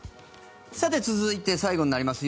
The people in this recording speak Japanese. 続いて、最後になります